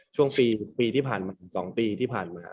ช่วงปีที่ผ่านมา๒ปีที่ผ่านมา